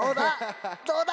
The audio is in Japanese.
どうだ？